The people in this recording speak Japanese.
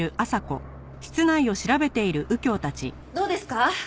どうですか？